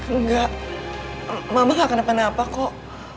enggak mama gak kena apa apa kok